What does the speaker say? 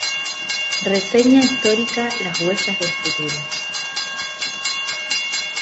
Reseña Histórica "Las Huellas del Futuro"